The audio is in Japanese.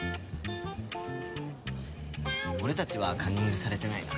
俺たちはカンニングされてないな。